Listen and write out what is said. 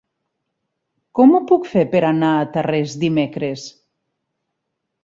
Com ho puc fer per anar a Tarrés dimecres?